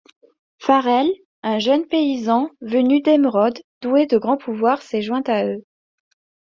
Farrell, un jeune paysan venu d'Émeraude doué de grands pouvoirs s'est joint à eux.